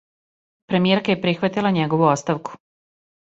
Премијерка је прихватила његову оставку.